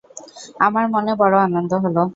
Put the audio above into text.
আমার মনে বড় আনন্দ হল।